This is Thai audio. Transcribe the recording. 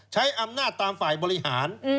ใช้อำนาจตามฝ่ายบริหาร